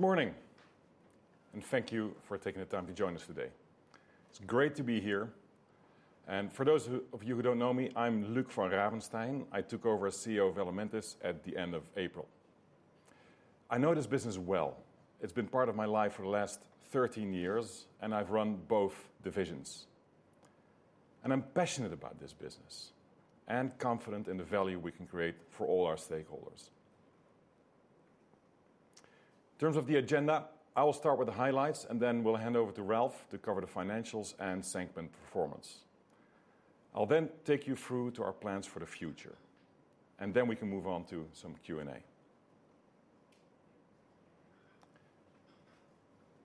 Good morning, and thank you for taking the time to join us today. It's great to be here. For those of you who don't know me, I'm Luc Ravenstein. I took over as CEO of Elementis at the end of April. I know this business well. It's been part of my life for the last 13 years, and I've run both divisions. I'm passionate about this business and confident in the value we can create for all our stakeholders. In terms of the agenda, I will start with the highlights, then we'll hand over to Ralph to cover the financials and segment performance. I'll then take you through our plans for the future, and we can move on to some Q&A.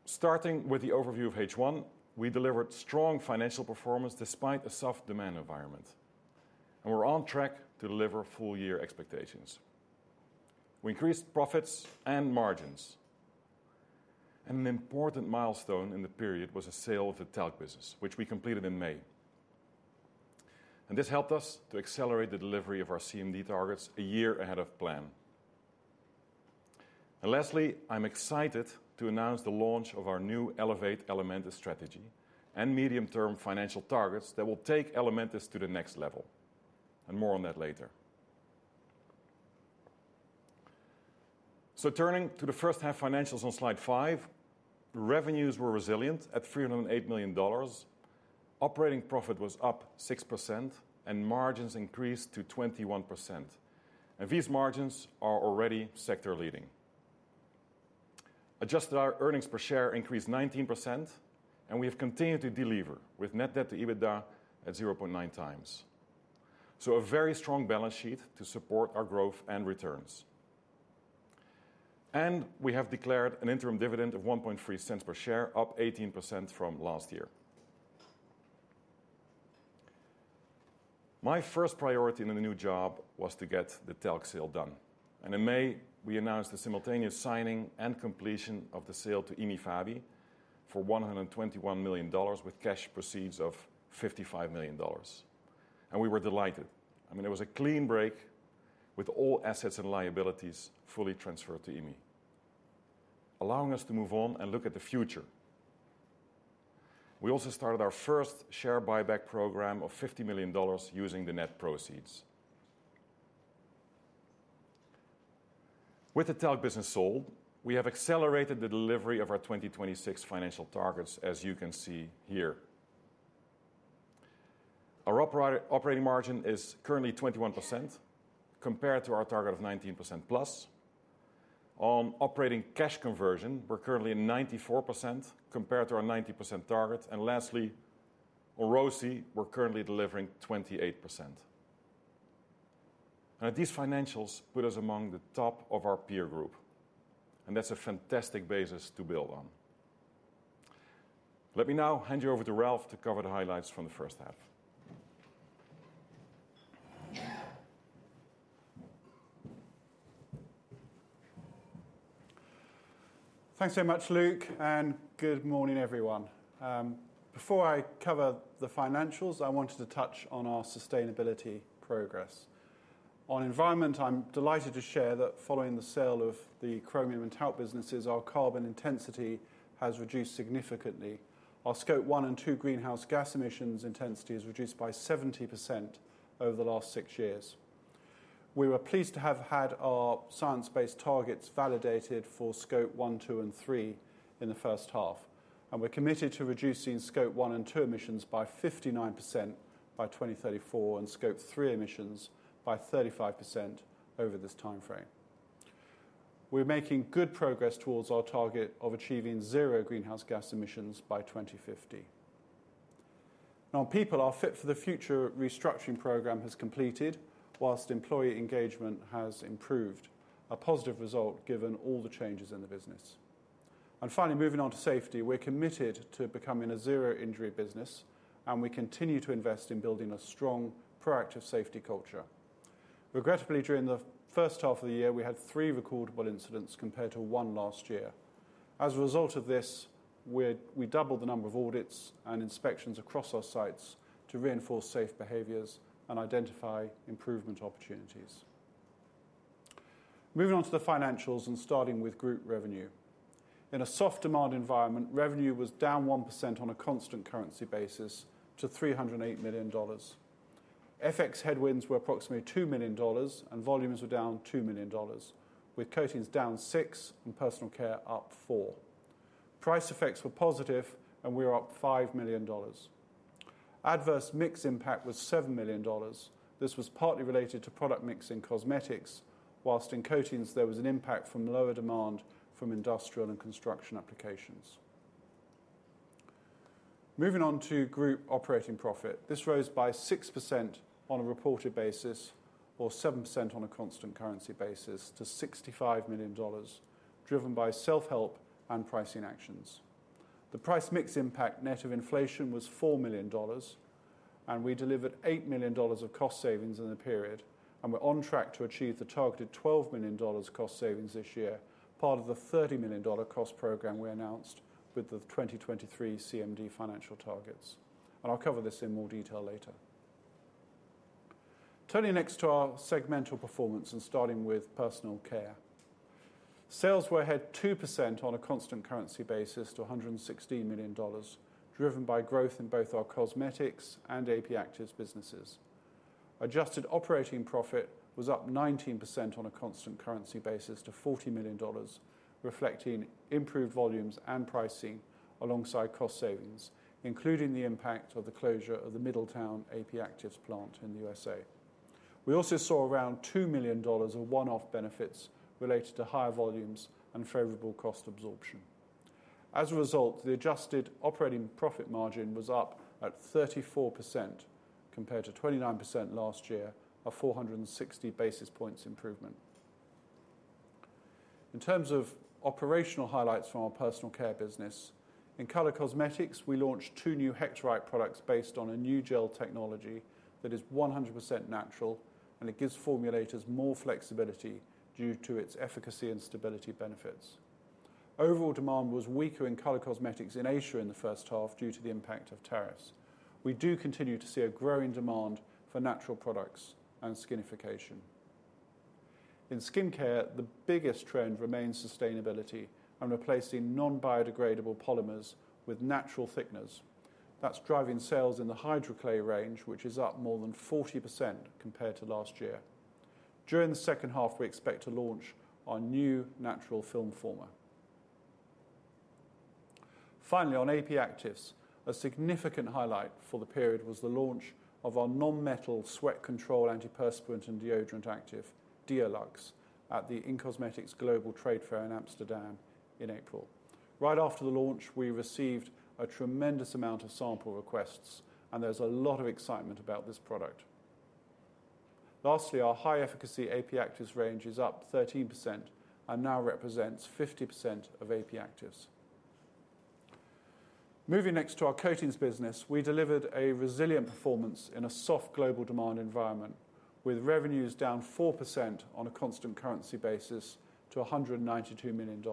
Starting with the overview of H1, we delivered strong financial performance despite a soft demand environment, and we're on track to deliver full-year expectations. We increased profits and margins. An important milestone in the period was the sale of the talc business, which we completed in May. This helped us to accelerate the delivery of our CMD targets a year ahead of plan. Lastly, I'm excited to announce the launch of our new Elevate Elementis strategy and medium-term financial targets that will take Elementis to the next level. More on that later. Turning to the first half financials on slide five, revenues were resilient at $308 million. Operating profit was up 6%, and margins increased to 21%. These margins are already sector-leading. Adjusted earnings per share increased 19%, and we have continued to deliver with net debt/EBITDA at 0.9x. A very strong balance sheet to support our growth and returns. We have declared an interim dividend of $0.013 per share, up 18% from last year. My first priority in the new job was to get the talc sale done. In May, we announced the simultaneous signing and completion of the sale to IMI Fabi for $121 million with cash proceeds of $55 million. We were delighted. It was a clean break with all assets and liabilities fully transferred to IMI Fabi, allowing us to move on and look at the future. We also started our first share buyback program of $50 million using the net proceeds. With the talc business sold, we have accelerated the delivery of our 2026 financial targets, as you can see here. Our operating margin is currently 21% compared to our target of 19%+. On operating cash conversion, we're currently at 94% compared to our 90% target. On ROCI, we're currently delivering 28%. These financials put us among the top of our peer group, and that's a fantastic basis to build on. Let me now hand you over to Ralph to cover the highlights from the first half. Thanks very much, Luc, and good morning, everyone. Before I cover the financials, I wanted to touch on our sustainability progress. On environment, I'm delighted to share that following the sale of the chromium and talc businesses, our carbon intensity has reduced significantly. Our Scope 1 and 2 greenhouse gas emissions intensity has reduced by 70% over the last six years. We were pleased to have had our science-based targets validated for Scope 1, 2, and 3 in the first half. We're committed to reducing Scope 1 and 2 emissions by 59% by 2034 and Scope 3 emissions by 35% over this timeframe. We're making good progress towards our target of achieving zero greenhouse gas emissions by 2050. Now, our people are fit for the future restructuring program has completed, whilst employee engagement has improved, a positive result given all the changes in the business. Finally, moving on to safety, we're committed to becoming a zero-injury business, and we continue to invest in building a strong proactive safety culture. Regrettably, during the first half of the year, we had three recordable incidents compared to one last year. As a result of this, we doubled the number of audits and inspections across our sites to reinforce safe behaviors and identify improvement opportunities. Moving on to the financials and starting with group revenue. In a soft demand environment, revenue was down 1% on a constant currency basis to $308 million. FX headwinds were approximately $2 million, and volumes were down $2 million, with coatings down $6 million and personal care up $4 million. Price effects were positive, and we were up $5 million. Adverse mix impact was $7 million. This was partly related to product mix in cosmetics, whilst in coatings there was an impact from lower demand from industrial and construction applications. Moving on to group operating profit, this rose by 6% on a reported basis or 7% on a constant currency basis to $65 million, driven by self-help and pricing actions. The price mix impact net of inflation was $4 million, and we delivered $8 million of cost savings in the period, and we're on track to achieve the targeted $12 million cost savings this year, part of the $30 million cost program we announced with the 2023 CMD financial targets. I'll cover this in more detail later. Turning next to our segmental performance and starting with personal care, sales were ahead 2% on a constant currency basis to $116 million, driven by growth in both our cosmetics and AP Actives businesses. Adjusted operating profit was up 19% on a constant currency basis to $40 million, reflecting improved volumes and pricing alongside cost savings, including the impact of the closure of the Middletown AP Actives plant in the U.S. We also saw around $2 million of one-off benefits related to higher volumes and favorable cost absorption. As a result, the adjusted operating profit margin was up at 34% compared to 29% last year, a 460 basis points improvement. In terms of operational highlights from our personal care business, in color cosmetics, we launched two new Hectorite products based on a new gel technology that is 100% natural, and it gives formulators more flexibility due to its efficacy and stability benefits. Overall demand was weaker in color cosmetics in Asia in the first half due to the impact of tariffs. We do continue to see a growing demand for natural products and skinification. In skincare, the biggest trend remains sustainability and replacing non-biodegradable polymers with natural thickness. That's driving sales in the Hydroclay range, which is up more than 40% compared to last year. During the second half, we expect to launch our new natural film former. Finally, on AP Actives, a significant highlight for the period was the launch of our non-metal sweat control antiperspirant and deodorant active, Deoluxe, at the InCosmetics Global Trade Fair in Amsterdam in April. Right after the launch, we received a tremendous amount of sample requests, and there's a lot of excitement about this product. Lastly, our high-efficacy AP Actives range is up 13% and now represents 50% of AP Actives. Moving next to our coatings business, we delivered a resilient performance in a soft global demand environment, with revenues down 4% on a constant currency basis to $192 million.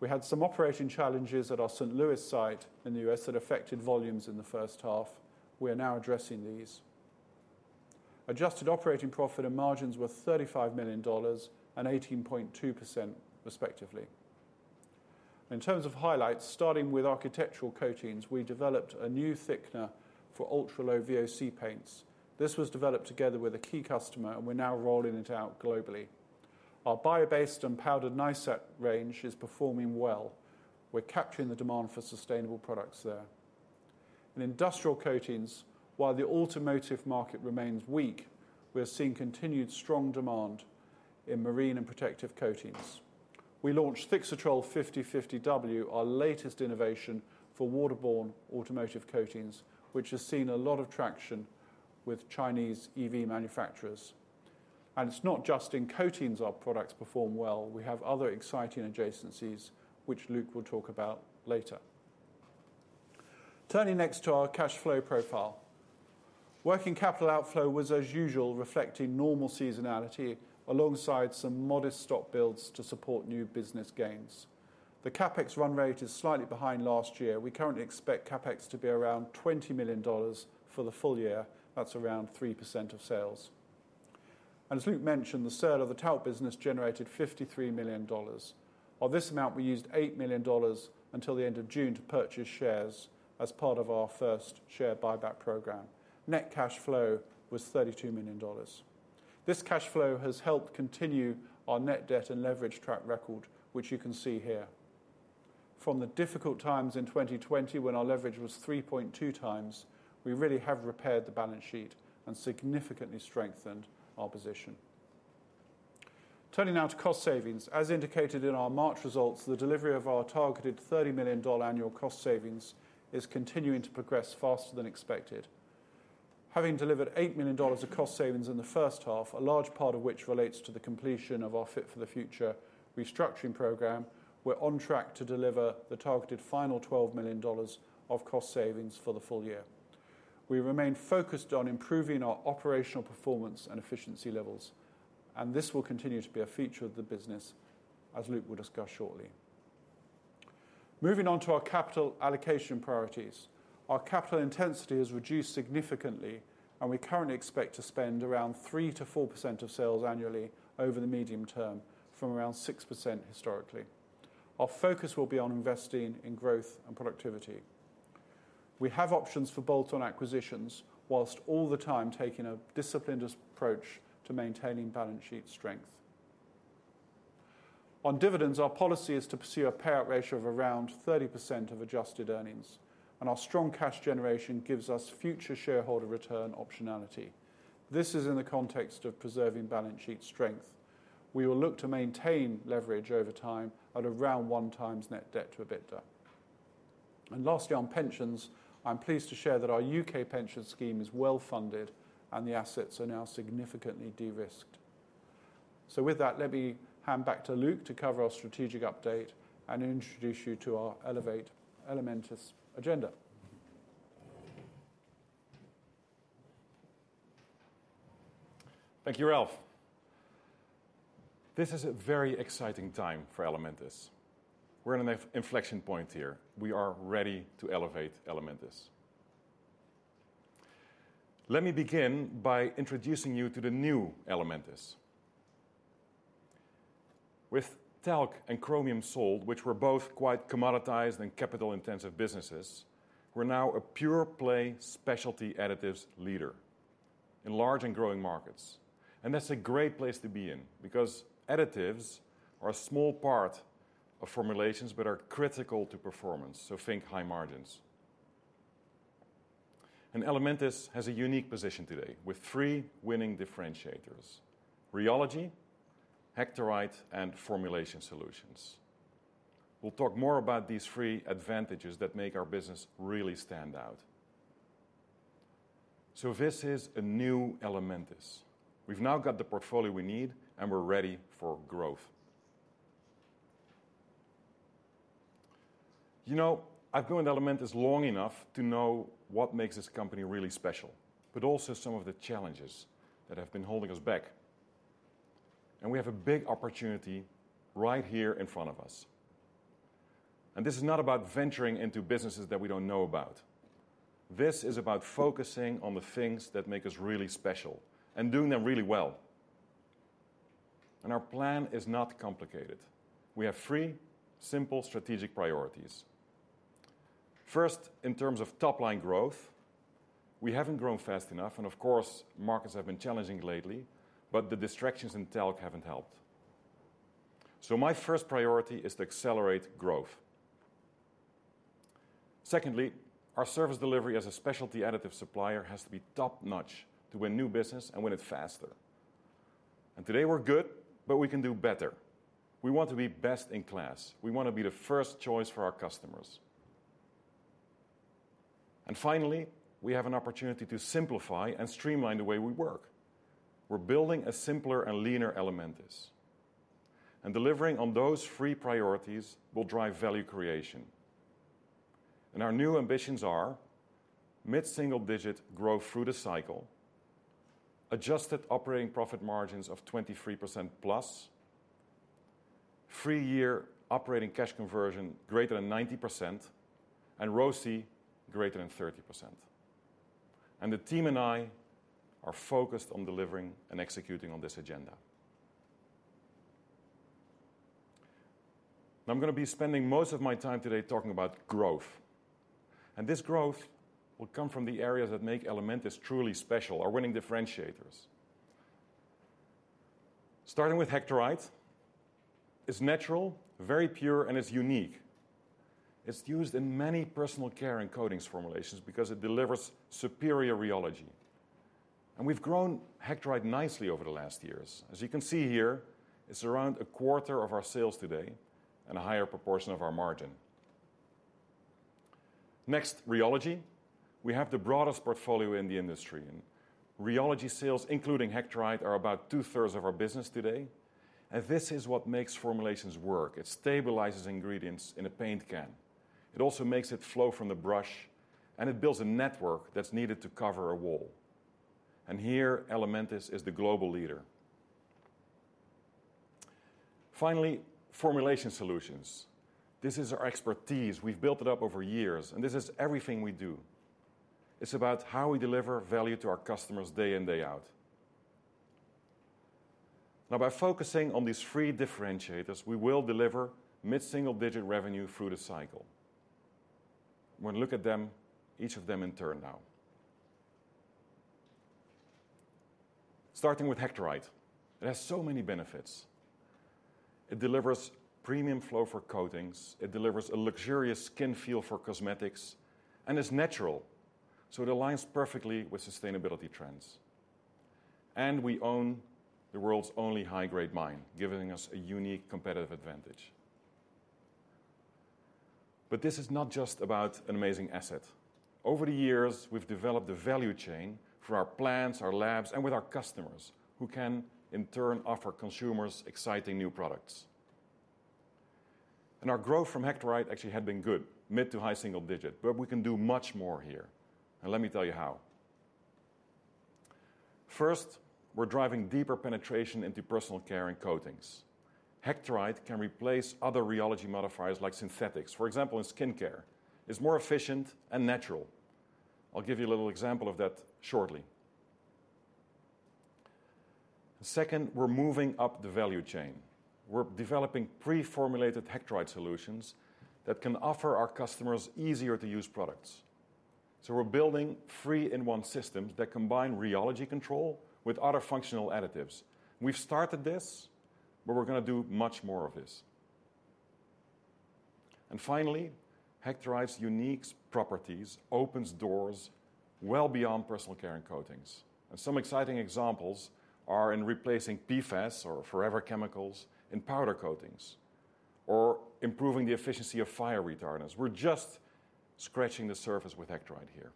We had some operating challenges at our St. Louis site in the U.S. that affected volumes in the first half. We are now addressing these. Adjusted operating profit and margins were $35 million and 18.2%, respectively. In terms of highlights, starting with architectural coatings, we developed a new thickener for ultra-low VOC paints. This was developed together with a key customer, and we're now rolling it out globally. Our bio-based and powdered NISEP range is performing well. We're capturing the demand for sustainable products there. In industrial coatings, while the automotive market remains weak, we're seeing continued strong demand in marine and protective coatings. We launched Thixatrol 50/50 W, our latest innovation for waterborne automotive coatings, which has seen a lot of traction with Chinese EV manufacturers. It's not just in coatings our products perform well. We have other exciting adjacencies, which Luc will talk about later. Turning next to our cash flow profile, working capital outflow was, as usual, reflecting normal seasonality alongside some modest stock builds to support new business gains. The CapEx run rate is slightly behind last year. We currently expect CapEx to be around $20 million for the full year. That's around 3% of sales. As Luc mentioned, the sale of the talc business generated $53 million. Of this amount, we used $8 million until the end of June to purchase shares as part of our first share buyback program. Net cash flow was $32 million. This cash flow has helped continue our net debt and leverage track record, which you can see here. From the difficult times in 2020, when our leverage was 3.2x, we really have repaired the balance sheet and significantly strengthened our position. Turning now to cost savings, as indicated in our March results, the delivery of our targeted $30 million annual cost savings is continuing to progress faster than expected. Having delivered $8 million of cost savings in the first half, a large part of which relates to the completion of our Fit for the Future restructuring program, we're on track to deliver the targeted final $12 million of cost savings for the full year. We remain focused on improving our operational performance and efficiency levels, and this will continue to be a feature of the business, as Luc will discuss shortly. Moving on to our capital allocation priorities, our capital intensity has reduced significantly, and we currently expect to spend around 3%-4% of sales annually over the medium term, from around 6% historically. Our focus will be on investing in growth and productivity. We have options for bolt-on acquisitions, whilst all the time taking a disciplined approach to maintaining balance sheet strength. On dividends, our policy is to pursue a payout ratio of around 30% of adjusted earnings, and our strong cash generation gives us future shareholder return optionality. This is in the context of preserving balance sheet strength. We will look to maintain leverage over time at around 1x net debt/EBITDA. Lastly, on pensions, I'm pleased to share that our UK pension scheme is well funded, and the assets are now significantly de-risked. With that, let me hand back to Luc to cover our strategic update and introduce you to our Elevate Elementis agenda. Thank you, Ralph. This is a very exciting time for Elementis. We're in an inflection point here. We are ready to elevate Elementis. Let me begin by introducing you to the new Elementis. With talc and chromium sold, which were both quite commoditized and capital-intensive businesses, we're now a pure-play specialty additives leader in large and growing markets. That's a great place to be in because additives are a small part of formulations that are critical to performance, so think high margins. Elementis has a unique position today with three winning differentiators: Rheology, Hectorite, and Formulation Solutions. We'll talk more about these three advantages that make our business really stand out. This is a new Elementis. We've now got the portfolio we need, and we're ready for growth. I've known Elementis long enough to know what makes this company really special, but also some of the challenges that have been holding us back. We have a big opportunity right here in front of us. This is not about venturing into businesses that we don't know about. This is about focusing on the things that make us really special and doing them really well. Our plan is not complicated. We have three simple strategic priorities. First, in terms of top-line growth, we haven't grown fast enough, and of course, markets have been challenging lately, but the distractions in talc haven't helped. My first priority is to accelerate growth. Secondly, our service delivery as a specialty additive supplier has to be top-notch to win new business and win it faster. Today we're good, but we can do better. We want to be best in class. We want to be the first choice for our customers. Finally, we have an opportunity to simplify and streamline the way we work. We're building a simpler and leaner Elementis. Delivering on those three priorities will drive value creation. Our new ambitions are mid-single-digit growth through the cycle, adjusted operating profit margins of 23%+, three-year operating cash conversion greater than 90%, and ROCI greater than 30%. The team and I are focused on delivering and executing on this agenda. I'm going to be spending most of my time today talking about growth. This growth will come from the areas that make Elementis truly special, our winning differentiators. Starting with Hectorite. It's natural, very pure, and it's unique. It's used in many personal care and coatings formulations because it delivers superior Rheology. We've grown Hectorite nicely over the last years. As you can see here, it's around a quarter of our sales today and a higher proportion of our margin. Next, Rheology. We have the broadest portfolio in the industry, and Rheology sales, including Hectorite, are about two-thirds of our business today. This is what makes formulations work. It stabilizes ingredients in a paint can, makes it flow from the brush, and builds a network that's needed to cover a wall. Here, Elementis is the global leader. Finally, Formulation Solutions. This is our expertise. We've built it up over years, and this is everything we do. It's about how we deliver value to our customers day in, day out. By focusing on these three differentiators, we will deliver mid-single-digit revenue through the cycle. I'm going to look at them, each of them in turn now. Starting with Hectorite. It has so many benefits. It delivers premium flow for coatings, delivers a luxurious skin feel for cosmetics, and it's natural, so it aligns perfectly with sustainability trends. We own the world's only high-grade mine, giving us a unique competitive advantage. This is not just about an amazing asset. Over the years, we've developed the value chain for our plants, our labs, and with our customers, who can, in turn, offer consumers exciting new products. Our growth from Hectorite actually had been good, mid to high single digit, but we can do much more here. Let me tell you how. First, we're driving deeper penetration into personal care and coatings. Hectorite can replace other Rheology modifiers like synthetics, for example, in skincare. It's more efficient and natural. I'll give you a little example of that shortly. Second, we're moving up the value chain. We're developing pre-formulated Hectorite solutions that can offer our customers easier-to-use products. We're building three-in-one systems that combine Rheology control with other functional additives. We've started this, but we're going to do much more of this. Hectorite's unique properties open doors well beyond personal care and coatings. Some exciting examples are in replacing PFAS, or forever chemicals, in powder coatings or improving the efficiency of fire retardants. We're just scratching the surface with Hectorite here.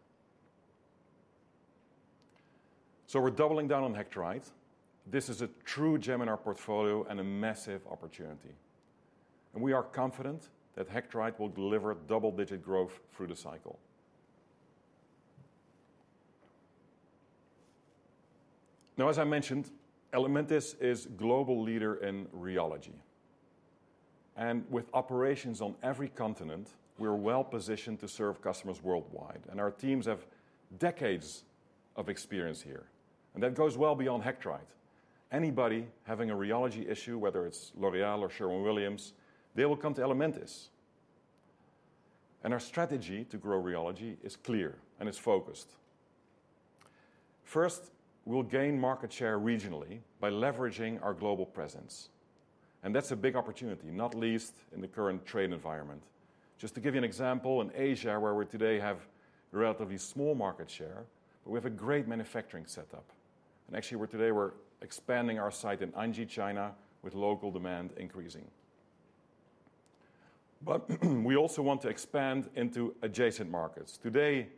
We're doubling down on Hectorite. This is a true gem in our portfolio and a massive opportunity. We are confident that Hectorite will deliver double-digit growth through the cycle. As I mentioned, Elementis is a global leader in Rheology. With operations on every continent, we're well positioned to serve customers worldwide. Our teams have decades of experience here, and that goes well beyond Hectorite. Anybody having a Rheology issue, whether it's L'Oreal or Sherwin-Williams, will come to Elementis. Our strategy to grow Rheology is clear and focused. First, we'll gain market share regionally by leveraging our global presence. That's a big opportunity, not least in the current trade environment. For example, in Asia, where we today have a relatively small market share, we have a great manufacturing setup. Actually, today we're expanding our site in Anji, China, with local demand increasing. We also want to expand into adjacent markets. Today,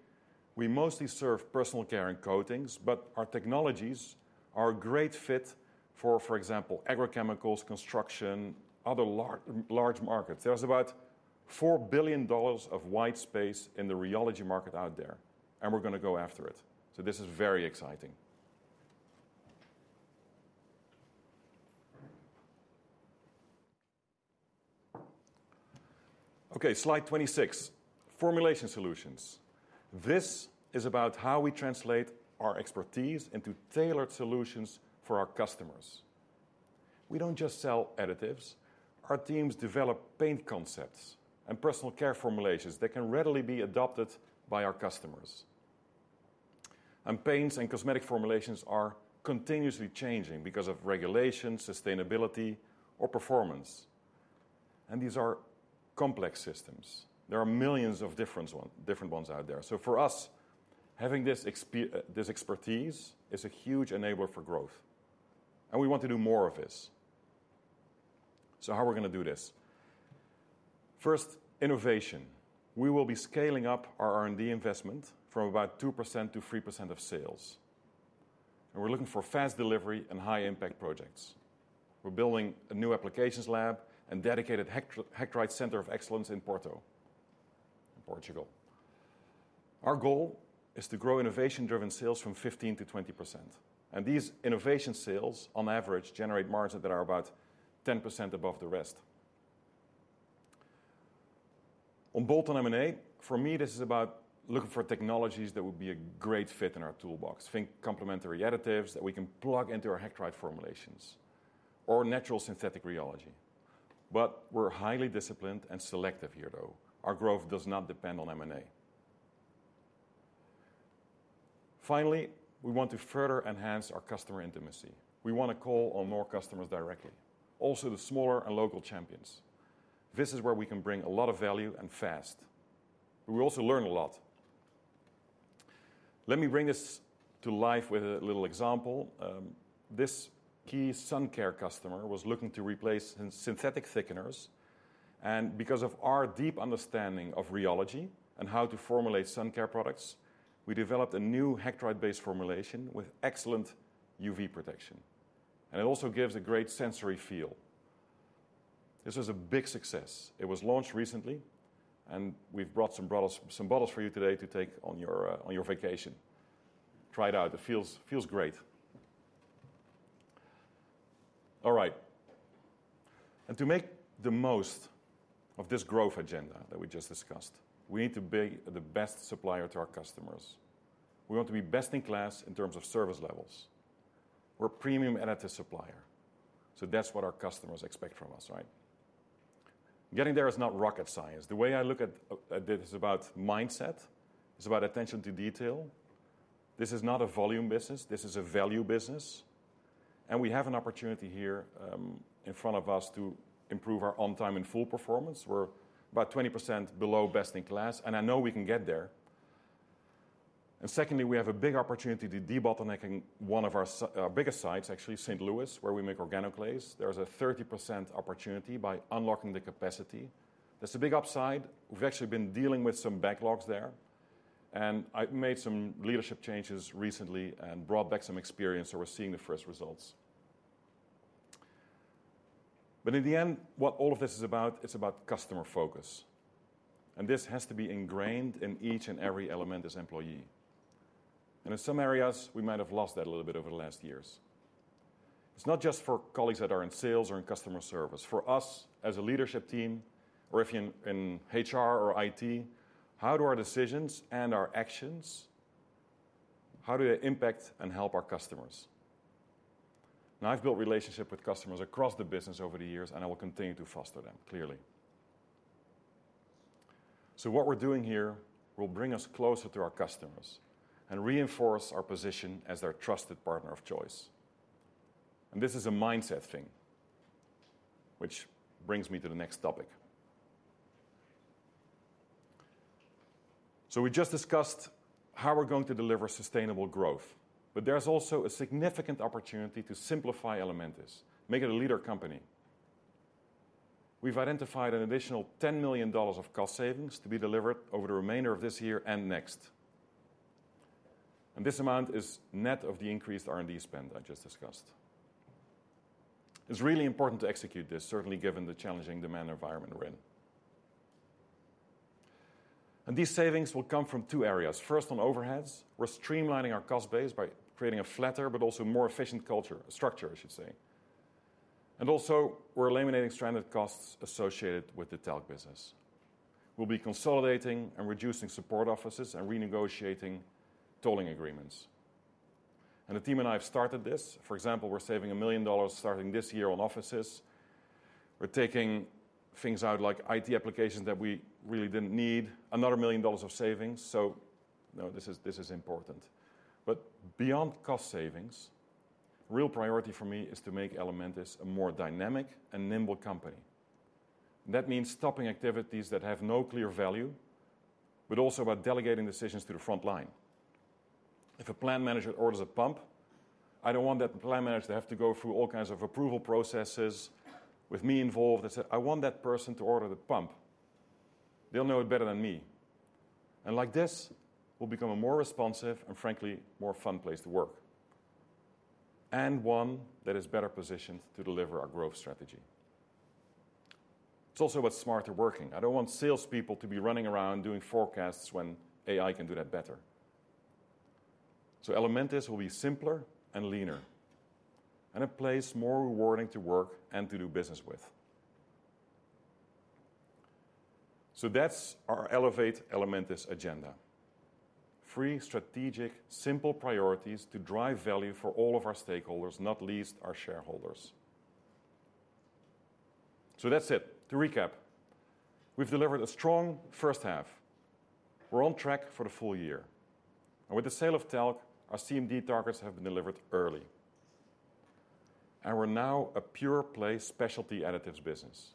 we mostly serve personal care and coatings, but our technologies are a great fit for, for example, agrochemicals, construction, and other large markets. There's about $4 billion of white space in the Rheology market out there, and we're going to go after it. This is very exciting. OK, slide 26. Formulation Solutions. This is about how we translate our expertise into tailored solutions for our customers. We don't just sell additives. Our teams develop paint concepts and personal care formulations that can readily be adopted by our customers. Paints and cosmetic formulations are continuously changing because of regulations, sustainability, or performance. These are complex systems. There are millions of different ones out there. For us, having this expertise is a huge enabler for growth. We want to do more of this. How are we going to do this? First, innovation. We will be scaling up our R&D investment from about 2%-3% of sales. We're looking for fast delivery and high-impact projects. We're building a new applications lab and a dedicated Hectorite Center of Excellence in Porto, in Portugal. Our goal is to grow innovation-driven sales from 15% to 20%. These innovation sales, on average, generate margins that are about 10% above the rest. On bolt-on M&A, for me, this is about looking for technologies that would be a great fit in our toolbox. Think complementary additives that we can plug into our Hectorite formulations or natural synthetic Rheology. We're highly disciplined and selective here, though. Our growth does not depend on M&A. Finally, we want to further enhance our customer intimacy. We want to call on more customers directly, also the smaller and local champions. This is where we can bring a lot of value and fast. We also learn a lot. Let me bring this to life with a little example. This key sun care customer was looking to replace synthetic thickeners. Because of our deep understanding of Rheology and how to formulate sun care products, we developed a new Hectorite-based formulation with excellent UV protection. It also gives a great sensory feel. This is a big success. It was launched recently, and we've brought some bottles for you today to take on your vacation. Try it out. It feels great. To make the most of this growth agenda that we just discussed, we need to be the best supplier to our customers. We want to be best in class in terms of service levels. We're a premium additive supplier. That's what our customers expect from us, right? Getting there is not rocket science. The way I look at this is about mindset. It's about attention to detail. This is not a volume business. This is a value business. We have an opportunity here in front of us to improve our on-time and full performance. We're about 20% below best in class, and I know we can get there. Secondly, we have a big opportunity to de-bottleneck one of our biggest sites, actually, St. Louis, where we make organoclays. There's a 30% opportunity by unlocking the capacity. That's a big upside. We've actually been dealing with some backlogs there. I made some leadership changes recently and brought back some experience, so we're seeing the first results. In the end, what all of this is about, it's about customer focus. This has to be ingrained in each and every Elementis employee. In some areas, we might have lost that a little bit over the last years. It's not just for colleagues that are in sales or in customer service. For us, as a leadership team, or if you're in HR or IT, how do our decisions and our actions, how do they impact and help our customers? I've built relationships with customers across the business over the years, and I will continue to foster them, clearly. What we're doing here will bring us closer to our customers and reinforce our position as their trusted partner of choice. This is a mindset thing, which brings me to the next topic. We just discussed how we're going to deliver sustainable growth, but there's also a significant opportunity to simplify Elementis, make it a leader company. We've identified an additional $10 million of cost savings to be delivered over the remainder of this year and next. This amount is net of the increased R&D spend I just discussed. It's really important to execute this, certainly given the challenging demand environment we're in. These savings will come from two areas. First, on overheads, we're streamlining our cost base by creating a flatter, but also more efficient structure, I should say. We're also eliminating stranded costs associated with the talc business. We'll be consolidating and reducing support offices and renegotiating tolling agreements. The team and I have started this. For example, we're saving $1 million starting this year on offices. We're taking things out like IT applications that we really didn't need, another $1 million of savings. This is important. Beyond cost savings, a real priority for me is to make Elementis a more dynamic and nimble company. That means stopping activities that have no clear value, but also by delegating decisions to the front line. If a plant manager orders a pump, I don't want that plant manager to have to go through all kinds of approval processes with me involved. I want that person to order the pump. They'll know it better than me. Like this, we'll become a more responsive and, frankly, more fun place to work and one that is better positioned to deliver our growth strategy. It's also about smarter working. I don't want salespeople to be running around doing forecasts when AI can do that better. Elementis will be simpler and leaner and a place more rewarding to work and to do business with. That's our Elevate Elementis agenda. Three strategic, simple priorities to drive value for all of our stakeholders, not least our shareholders. That's it. To recap, we've delivered a strong first half. We're on track for the full year. With the sale of talc, our CMD targets have been delivered early. We're now a pure-play specialty additives business.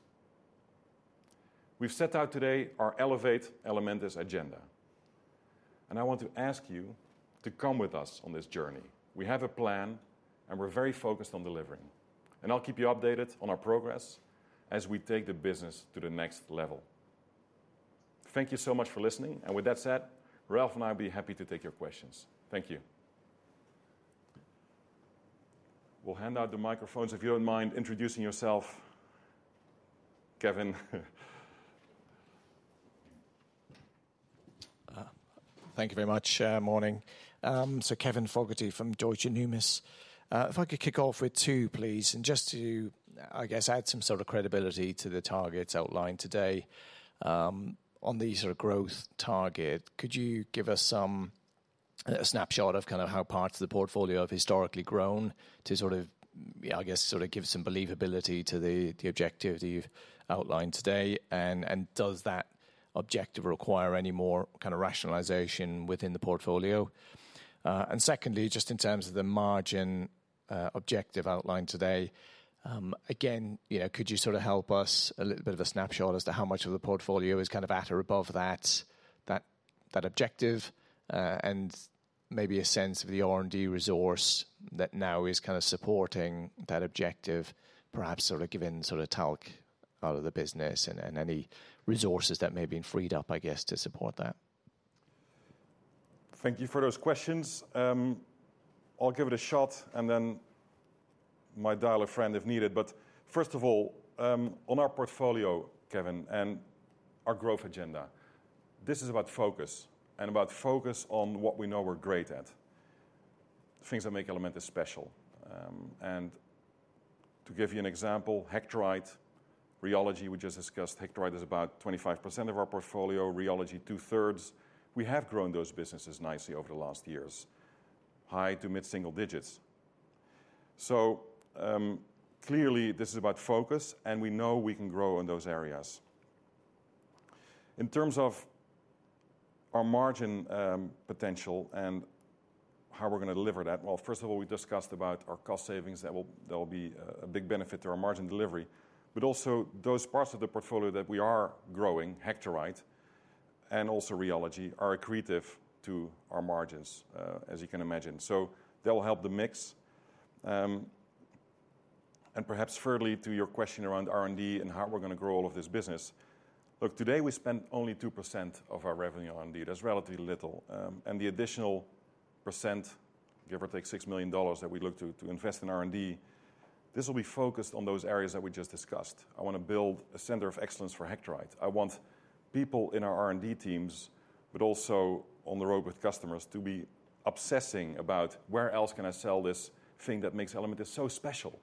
We've set out today our Elevate Elementis agenda. I want to ask you to come with us on this journey. We have a plan, and we're very focused on delivering. I'll keep you updated on our progress as we take the business to the next level. Thank you so much for listening. With that said, Ralph and I will be happy to take your questions. Thank you. We'll hand out the microphones. If you don't mind introducing yourself, Kevin. Thank you very much. Morning. Kevin Fogarty from Deutsche Numis. If I could kick off with two, please. Just to add some sort of credibility to the targets outlined today, on these sort of growth targets, could you give us a snapshot of how parts of the portfolio have historically grown to give some believability to the objective that you've outlined today? Does that objective require any more kind of rationalization within the portfolio? Secondly, just in terms of the margin objective outlined today, could you help us with a snapshot as to how much of the portfolio is at or above that objective and maybe a sense of the R&D resource that now is supporting that objective, perhaps given the talc part of the business and any resources that may have been freed up to support that? Thank you for those questions. I'll give it a shot and then might dial a friend if needed. First of all, on our portfolio, Kevin, and our growth agenda, this is about focus and about focus on what we know we're great at, things that make Elementis special. To give you an example, Hectorite, Rheology, we just discussed, Hectorite is about 25% of our portfolio, Rheology 2/3. We have grown those businesses nicely over the last years, high to mid-single digits. Clearly, this is about focus, and we know we can grow in those areas. In terms of our margin potential and how we're going to deliver that, first of all, we discussed our cost savings that will be a big benefit to our margin delivery. Also, those parts of the portfolio that we are growing, Hectorite and also Rheology, are accretive to our margins, as you can imagine. That will help the mix. Perhaps further to your question around R&D and how we're going to grow all of this business, look, today we spend only 2% of our revenue on R&D. That's relatively little. The additional percent, give or take $6 million, that we look to invest in R&D, this will be focused on those areas that we just discussed. I want to build a Hectorite Center of Excellence. I want people in our R&D teams, but also on the road with customers, to be obsessing about where else can I sell this thing that makes Elementis so special.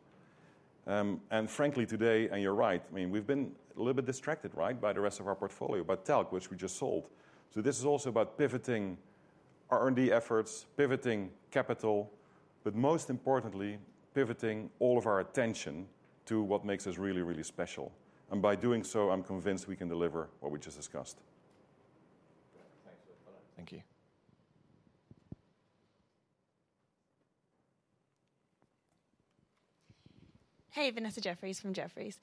Frankly, today, and you're right, I mean, we've been a little bit distracted, right, by the rest of our portfolio about talc, which we just sold. This is also about pivoting R&D efforts, pivoting capital, but most importantly, pivoting all of our attention to what makes us really, really special. By doing so, I'm convinced we can deliver what we just discussed. Thank you. Hey, Vanessa Jeffries from Jeffries.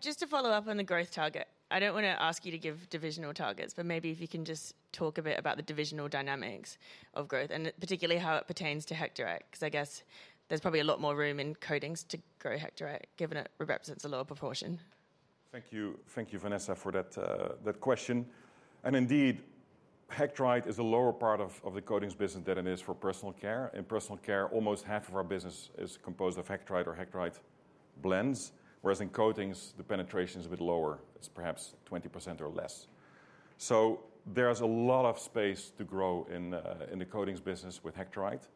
Just to follow up on the growth target, I don't want to ask you to give divisional targets, but maybe if you can just talk a bit about the divisional dynamics of growth and particularly how it pertains to Hectorite, because I guess there's probably a lot more room in coatings to grow Hectorite, given it represents a lower proportion. Thank you, Vanessa, for that question. Indeed, Hectorite is a lower part of the coatings business than it is for personal care. In personal care, almost half of our business is composed of Hectorite or Hectorite blends, whereas in coatings, the penetration is a bit lower. It's perhaps 20% or less. There's a lot of space to grow in the coatings business with Hectorite.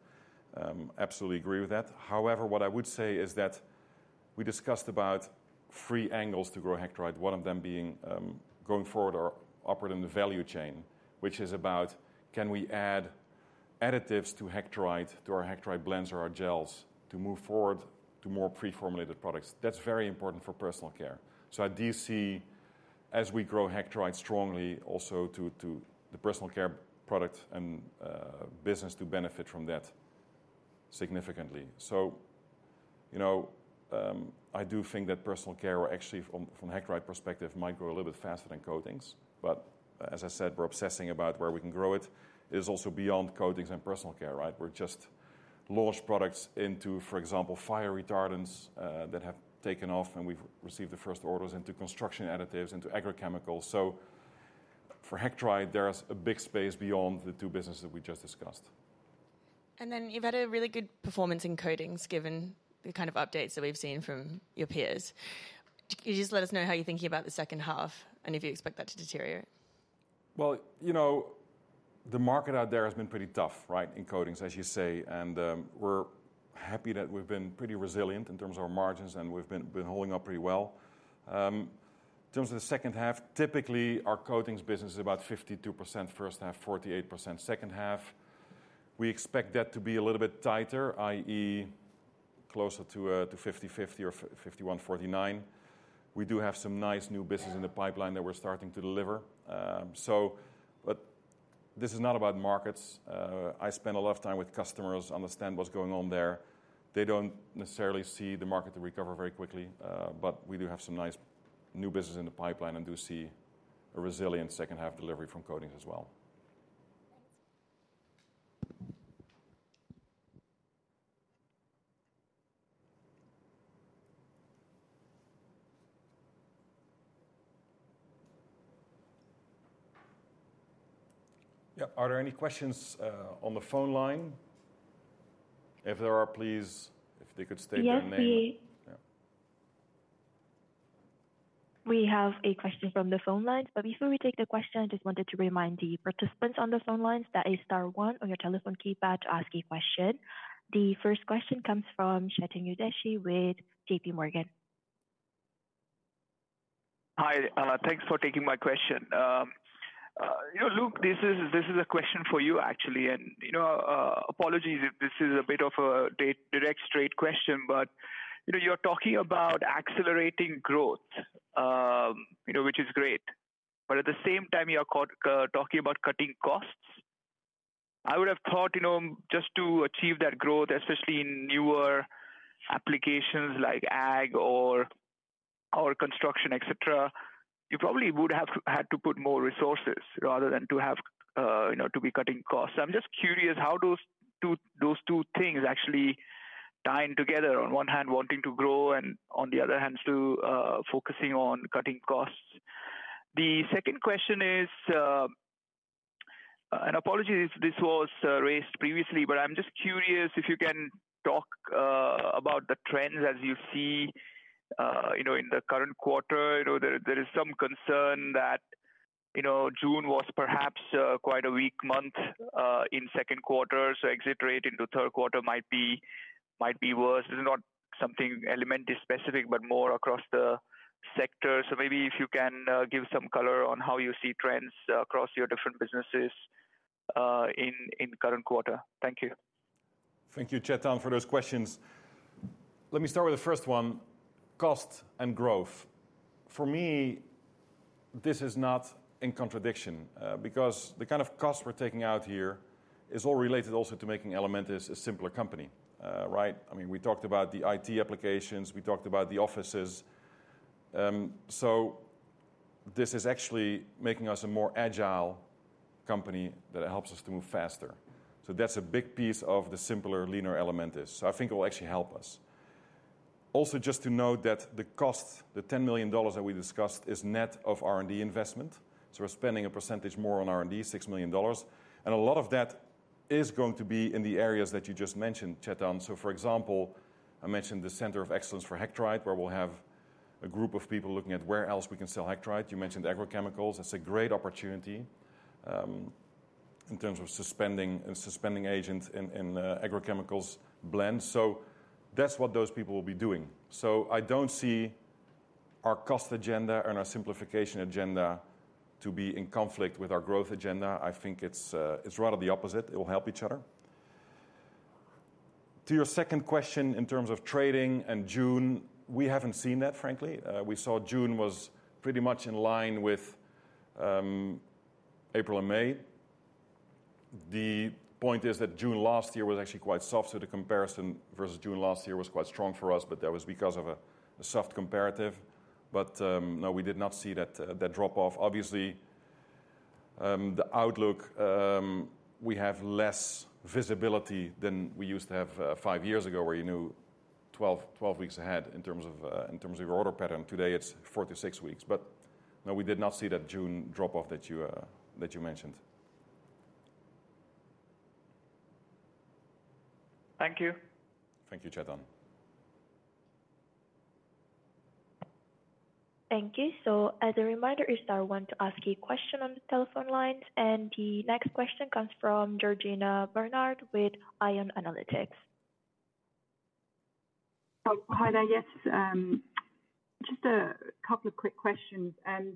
Absolutely agree with that. However, what I would say is that we discussed about three angles to grow Hectorite, one of them being going forward or operating the value chain, which is about can we add additives to Hectorite, to our Hectorite blends or our gels, to move forward to more pre-formulated products. That's very important for personal care. I do see, as we grow Hectorite strongly, also the personal care product and business to benefit from that significantly. I do think that personal care, or actually from Hectorite perspective, might grow a little bit faster than coatings. As I said, we're obsessing about where we can grow it. It is also beyond coatings and personal care, right? We've just launched products into, for example, fire retardants that have taken off, and we've received the first orders into construction additives and to agrochemicals. For Hectorite, there's a big space beyond the two businesses that we just discussed. You've had a really good performance in coatings, given the kind of updates that we've seen from your peers. Could you just let us know how you're thinking about the second half and if you expect that to deteriorate? You know, the market out there has been pretty tough, right, in coatings, as you say. We're happy that we've been pretty resilient in terms of our margins, and we've been holding up pretty well. In terms of the second half, typically, our coatings business is about 52% first half, 48% second half. We expect that to be a little bit tighter, i.e., closer to 50/50 or 51/49. We do have some nice new business in the pipeline that we're starting to deliver. This is not about markets. I spend a lot of time with customers, understand what's going on there. They don't necessarily see the market to recover very quickly. We do have some nice new business in the pipeline and do see a resilient second half delivery from coatings as well. Are there any questions on the phone line? If there are, please, if they could state their name. We have a question from the phone line. Before we take the question, I just wanted to remind the participants on the phone lines that it is star one on your telephone keypad to ask a question. The first question comes from Chetan Udeshie with JP Morgan. Hi, Ana. Thanks for taking my question. Luc, this is a question for you, actually. Apologies if this is a bit of a direct straight question. You're talking about accelerating growth, which is great. At the same time, you are talking about cutting costs. I would have thought, just to achieve that growth, especially in newer applications like ag or construction, etc., you probably would have had to put more resources rather than to be cutting costs. I'm just curious, how do those two things actually tie in together? On one hand, wanting to grow, and on the other hand, focusing on cutting costs. The second question is, and apologies if this was raised previously, but I'm just curious if you can talk about the trends as you see in the current quarter. There is some concern that June was perhaps quite a weak month in second quarter. Exit rate into third quarter might be worse. It's not something Elementis specific, but more across the sector. Maybe if you can give some color on how you see trends across your different businesses in the current quarter. Thank you. Thank you, Chetan, for those questions. Let me start with the first one, cost and growth. For me, this is not in contradiction because the kind of cost we're taking out here is all related also to making Elementis a simpler company, right? I mean, we talked about the IT applications. We talked about the offices. This is actually making us a more agile company that helps us to move faster. That's a big piece of the simpler, leaner Elementis. I think it will actually help us. Also, just to note that the cost, the $10 million that we discussed, is net of R&D investment. We're spending a percentage more on R&D, $6 million. A lot of that is going to be in the areas that you just mentioned, Chetan. For example, I mentioned the Hectorite Center of Excellence, where we'll have a group of people looking at where else we can sell Hectorite. You mentioned agrochemicals. That's a great opportunity in terms of suspending agents in agrochemicals blends. That's what those people will be doing. I don't see our cost agenda and our simplification agenda to be in conflict with our growth agenda. I think it's rather the opposite. It will help each other. To your second question, in terms of trading and June, we haven't seen that, frankly. We saw June was pretty much in line with April and May. The point is that June last year was actually quite soft, so the comparison versus June last year was quite strong for us, but that was because of a soft comparative. No, we did not see that drop-off. Obviously, the outlook, we have less visibility than we used to have five years ago, where you knew 12 weeks ahead in terms of your order pattern. Today, it's four to six weeks. No, we did not see that June drop-off that you mentioned. Thank you. Thank you, Chetan. Thank you. As a reminder, if there are ones to ask a question on the telephone lines, the next question comes from Georgina Barnard with Ion Analytics. Hi, there. Yes, just a couple of quick questions. The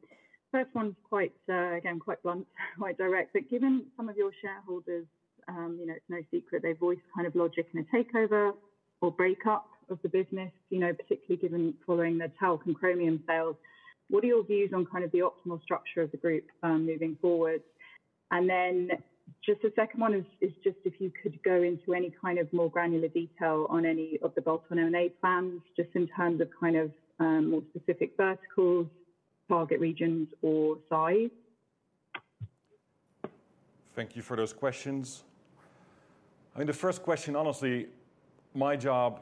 first one is quite, again, quite blunt, quite direct. Given some of your shareholders, you know, it's no secret they've voiced kind of logic in a takeover or breakup of the business, particularly given following the talc and chromium sales, what are your views on kind of the optimal structure of the group moving forward? The second one is just if you could go into any kind of more granular detail on any of the bolt-on M&A plans, just in terms of kind of more specific verticals, target regions, or size. Thank you for those questions. The first question, honestly, my job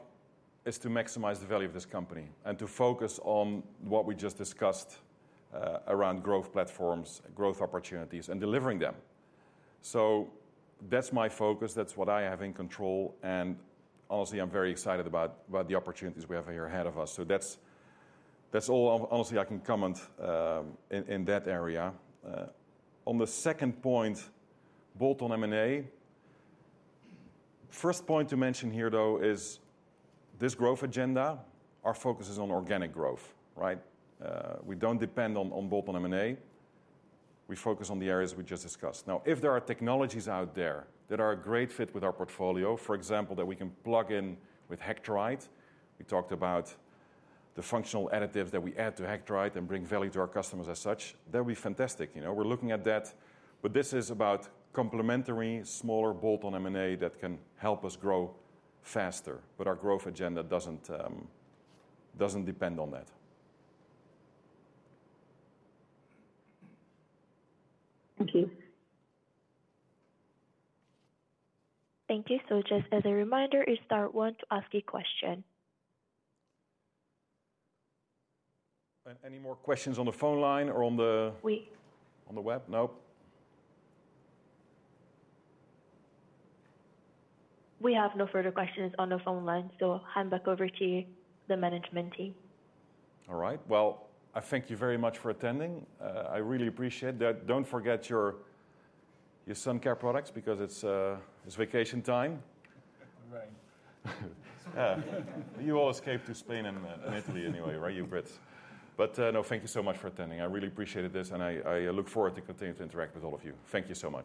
is to maximize the value of this company and to focus on what we just discussed around growth platforms, growth opportunities, and delivering them. That's my focus. That's what I have in control. Honestly, I'm very excited about the opportunities we have here ahead of us. That's all, honestly, I can comment in that area. On the second point, bolt-on M&A. First point to mention here, though, is this growth agenda, our focus is on organic growth, right? We don't depend on bolt-on M&A. We focus on the areas we just discussed. If there are technologies out there that are a great fit with our portfolio, for example, that we can plug in with Hectorite, we talked about the functional additives that we add to Hectorite and bring value to our customers as such, that would be fantastic. We're looking at that. This is about complementary, smaller bolt-on M&A that can help us grow faster. Our growth agenda doesn't depend on that. Thank you. Thank you. Just as a reminder, you start one to ask a question. there any more questions on the phone line or on the web? No. We have no further questions on the phone line, so I'll hand back over to the management team. All right. I thank you very much for attending. I really appreciate that. Don't forget your sun care products because it's vacation time. You all escaped to Spain and Italy anyway, right? You Brits. Thank you so much for attending. I really appreciated this, and I look forward to continuing to interact with all of you. Thank you so much.